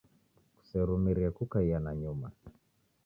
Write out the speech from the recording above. Kuserumirie kukaia nanyuma.